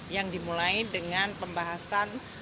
yang dimulai dengan pembahasan